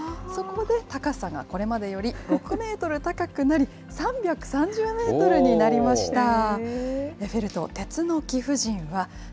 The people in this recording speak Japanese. そこで高さがこれまでより６メートル高くなり、３３０メートルになりました。